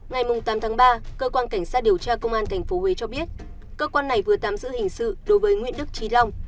ngày tám tháng ba cơ quan cảnh sát điều tra công an tp huế cho biết cơ quan này vừa tạm giữ hình sự đối với nguyễn đức trí long